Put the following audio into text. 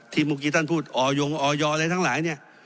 เมื่อกี้ท่านพูดออยงออยอะไรทั้งหลายเนี่ย